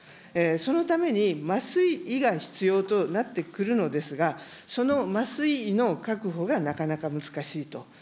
そのために、麻酔医が必要となってくるのですが、その麻酔医の確保がなかなか難しいと。